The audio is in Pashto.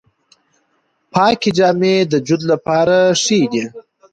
پاکې جامې د جلد لپاره ښې دي۔